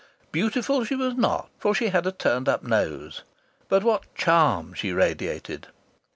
Beautiful she was not, for she had a turned up nose; but what charm she radiated!